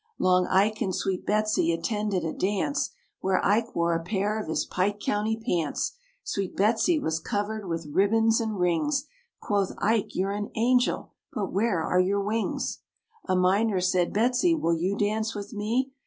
Long Ike and sweet Betsy attended a dance, Where Ike wore a pair of his Pike County pants; Sweet Betsy was covered with ribbons and rings. Quoth Ike, "You're an angel, but where are your wings?" A miner said, "Betsy, will you dance with me?"